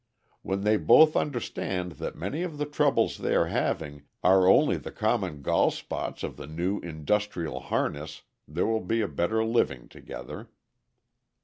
When they both understand that many of the troubles they are having are only the common gall spots of the new industrial harness there will be a better living together.